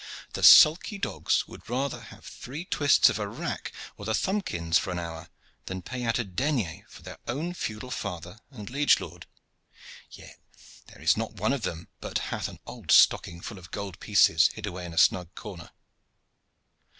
The sulky dogs would rather have three twists of a rack, or the thumbikins for an hour, than pay out a denier for their own feudal father and liege lord. Yet there is not one of them but hath an old stocking full of gold pieces hid away in a snug corner."